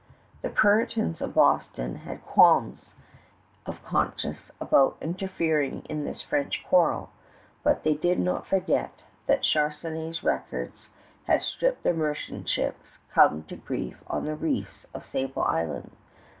The Puritans of Boston had qualms of conscience about interfering in this French quarrel; but they did not forget that Charnisay's wreckers had stripped their merchant ships come to grief on the reefs of Sable Island.